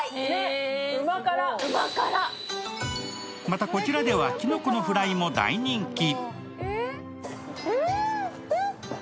またこちらではきのこのフライも大人気。